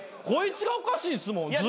こいつがおかしいんすもん。